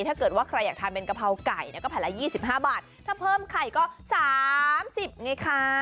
ถ้าเกิดว่าใครอยากทานเป็นกะเพราไก่ก็แผ่นละ๒๕บาทถ้าเพิ่มไข่ก็๓๐ไงคะ